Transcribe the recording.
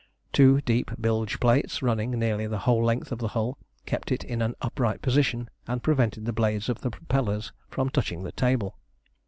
Two deep bilge plates, running nearly the whole length of the hull, kept it in an upright position and prevented the blades of the propellers from touching the table.